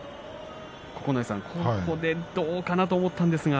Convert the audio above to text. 九重さん、ここでどうかなと思ったんですが。